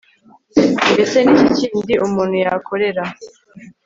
mbese ni iki kindi umuntu yakorera